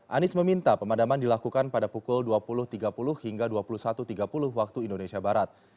anies meminta pemadaman dilakukan pada pukul dua puluh tiga puluh hingga dua puluh satu tiga puluh waktu indonesia barat